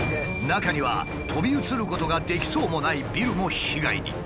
中には飛び移ることができそうもないビルも被害に。